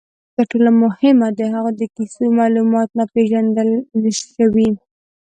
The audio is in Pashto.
تر ټولو مهمه، د هغوی د کیسو معلومات ناپېژندل شوي.